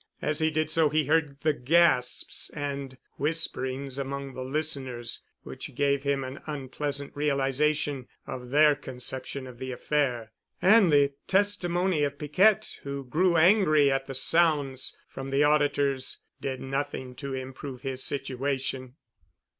As he did so he heard the gasps and whisperings among the listeners which gave him an unpleasant realization of their conception of the affair. And the testimony of Piquette, who grew angry at the sounds from the auditors, did nothing to improve his situation.